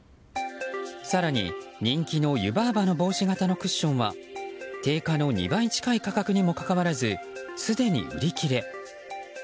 更に人気の湯婆婆の帽子型のクッションは定価の２倍近い価格にもかかわらずすでに売り切れ。